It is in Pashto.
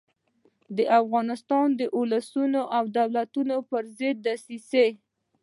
د افغانستان د اولسونو او دولتونو پر ضد له دسیسو.